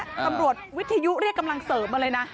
ตำรวจวิทยุเรียกกำลังเสริมมาเลยนะ